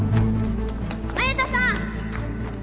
那由他さん！